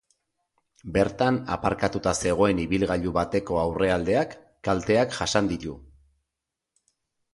Bertan aparkatuta zegoen ibilgailu bateko aurrealdeak kalteak jasan ditu.